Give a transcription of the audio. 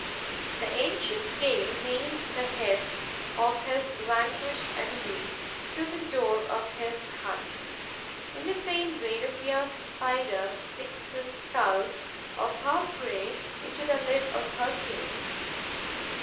The ancient Gael nailed the heads of his vanquished enemies to the door of his hut. In the same way, the fierce Spider sticks the skulls of her prey into the lid of her cave.